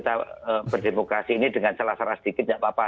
kita berdemokrasi ini dengan celah celah sedikit nggak apa apa